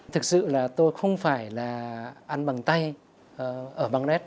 thực sự là tôi không phải là ăn bằng tay ở bangladesh